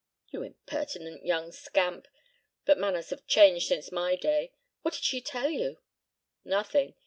"You impertinent young scamp. But manners have changed since my day. What did she tell you?" "Nothing.